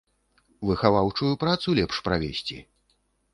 Выхаваўчую працу лепш правесці.